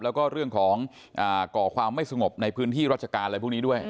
แล้วก็เรื่องของก่อความไม่สงบในพื้นที่รัชการอะไรพวกนี้ด้วย